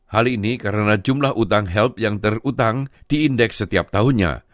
hal ini karena jumlah hutang help yang terhutang diindeks setiap tahunnya